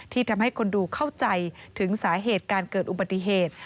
ทำให้คนดูเข้าใจถึงสาเหตุการเกิดอุบัติเหตุ